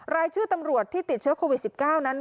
รายชื่อตำรวจที่ติดเชื้อโควิด๑๙นั้น